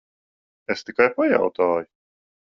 Es tikai pajautāju.